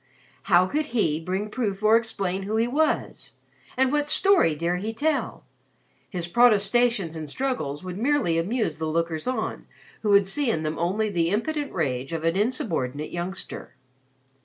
How could he bring proof or explain who he was and what story dare he tell? His protestations and struggles would merely amuse the lookers on, who would see in them only the impotent rage of an insubordinate youngster.